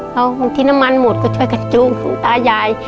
พอบางทีน้ำมันหมดก็ช่วยกันจูงของตายาย